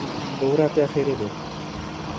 Oxira te ya xêrê be.